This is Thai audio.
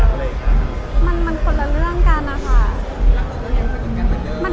ก็มีคนจ่างไปเล่นเรื่องแก๊กเจาะไม้